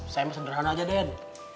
saya emang sederhana aja den